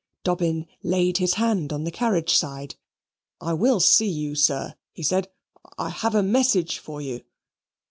Dobbin laid his hand on the carriage side. "I will see you, sir," he said. "I have a message for you."